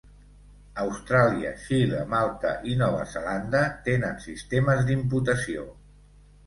Austràlia, Xile, Malta i Nova Zelanda tenen sistemes d'imputació.